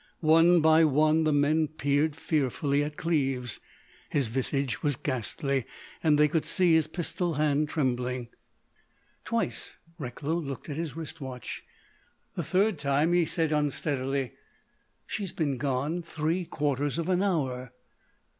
One by one the men peered fearfully at Cleves. His visage was ghastly and they could see his pistol hand trembling. Twice Recklow looked at his wrist watch. The third time he said, unsteadily: "She has been gone three quarters of an hour."